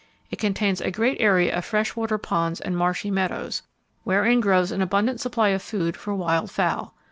It contains a great area of fresh water ponds and marshy meadows, wherein grows an abundant supply of food for wild fowl.